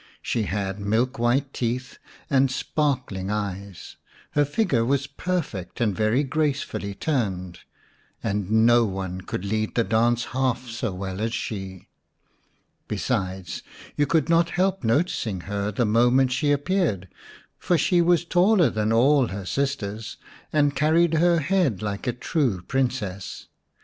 She had milk white teeth and sparkling eyes, her figure was perfect and very gracefully turned, and no one could lead the dance half so well as she. Besides, you could not help noticing her the moment she appeared, for she was taller than all her sisters, and carried her head like a true Princess.